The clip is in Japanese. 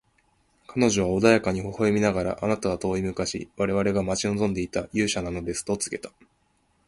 彼女は穏やかに微笑みながら、「あなたは遠い昔、我々が待ち望んでいた勇者なのです」と告げた。